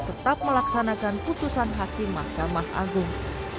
tetap melaksanakan putusan hakim mahkamah agung